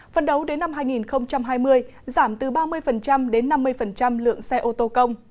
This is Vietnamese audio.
phần đầu đến năm hai nghìn hai mươi giảm từ ba mươi đến năm mươi